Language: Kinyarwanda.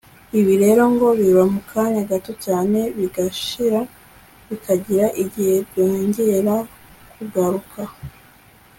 ibi rero ngo biba mu kanya gato cyane bigashira bikagira igihe byongera kugaruka